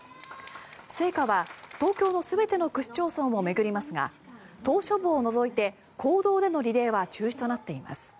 聖火は東京の全ての区市町村を巡りますが島しょ部を除いて公道でのリレーは中止となっています。